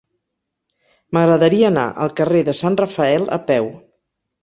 M'agradaria anar al carrer de Sant Rafael a peu.